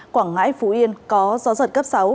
quảng ngãi phú yên có gió giật cấp sáu